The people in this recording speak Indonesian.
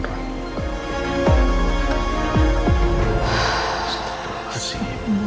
elsa lah pelaku pembunuhan ra